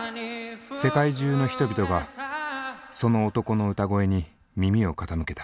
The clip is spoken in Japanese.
世界中の人々がその男の歌声に耳を傾けた。